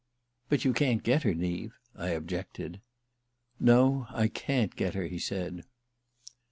"But you can't get her, Neave," I objected. "No, I can't get her," he said.